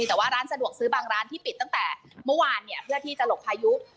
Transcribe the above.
แต่ว่าร้านสะดวกซื้อบางร้านที่ปิดตั้งแต่เมื่อวานเนี่ยเพื่อที่จะหลบพายุ